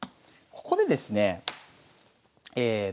ここでですねえ